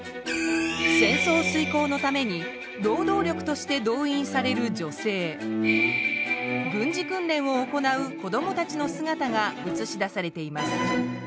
戦争すいこうのために労働力として動員される女性軍事訓練を行う子どもたちの姿が映し出されています。